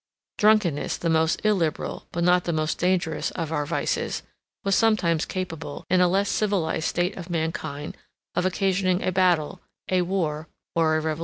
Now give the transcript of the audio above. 35 Drunkenness, the most illiberal, but not the most dangerous of our vices, was sometimes capable, in a less civilized state of mankind, of occasioning a battle, a war, or a revolution.